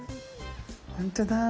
ほんとだ。